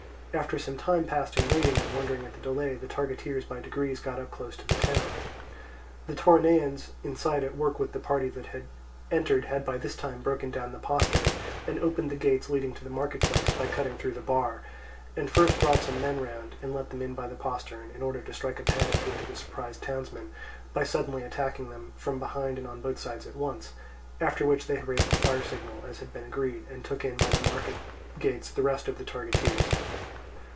After some time passed in waiting and wondering at the delay, the targeteers by degrees got up close to the town. The Toronaeans inside at work with the party that had entered had by this time broken down the postern and opened the gates leading to the market place by cutting through the bar, and first brought some men round and let them in by the postern, in order to strike a panic into the surprised townsmen by suddenly attacking them from behind and on both sides at once; after which they raised the fire signal as had been agreed, and took in by the market gates the rest of the targeteers.